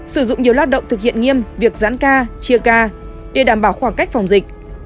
sử dụng nhiều lao động thực hiện nghiêm việc giãn ca chia ca để đảm bảo khoảng cách phòng dịch